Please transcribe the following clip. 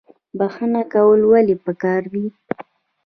بخښنه کول ولې پکار دي؟